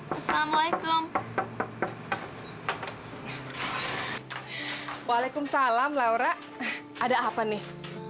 wa'alaikum salam laura ada apa nih